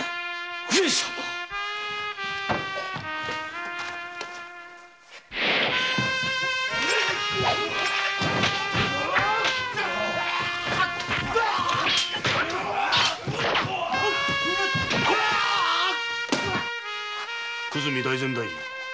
上様久住大膳大夫